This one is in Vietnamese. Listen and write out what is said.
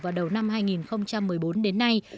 vào đầu năm hai nghìn một mươi bốn đến nay